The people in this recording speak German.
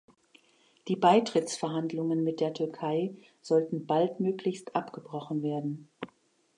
Die Beitrittsverhandlungen mit der Türkei sollten baldmöglichst abgebrochen werden.